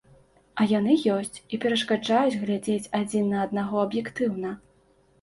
А яны ёсць, і перашкаджаюць глядзець адзін на аднаго аб'ектыўна.